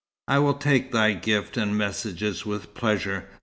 "I will take thy gift and messages with pleasure."